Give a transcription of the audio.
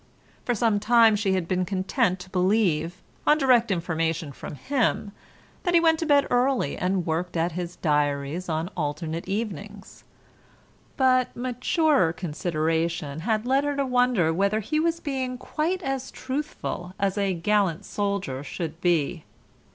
For some time she had been content to believe, on direct information from him, that he went to bed early and worked at his diaries on alternate evenings, but maturer consideration had led her to wonder whether he was being quite as truthful as a gallant soldier should be.